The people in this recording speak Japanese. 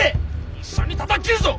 一緒にたたき斬るぞ！